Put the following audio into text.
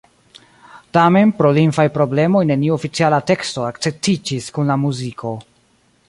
Tamen, pro lingvaj problemoj neniu oficiala teksto akceptiĝis kun la muziko.